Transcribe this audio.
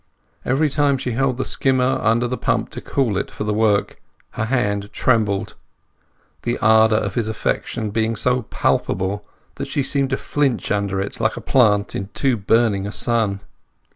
Every time she held the skimmer under the pump to cool it for the work her hand trembled, the ardour of his affection being so palpable that she seemed to flinch under it like a plant in too burning a sun.